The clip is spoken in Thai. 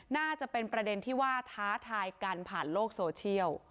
น่าจะเป็นประเด็นที่ว่าท้าทายกันผ่านโลกโซเชียล